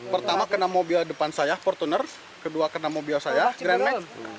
pertama kena mobil depan saya portuner kedua kena mobil saya grand max